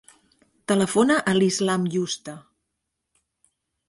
Telefona a l'Islam Yusta.